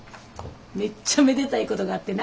めっちゃめでたいことがあってな。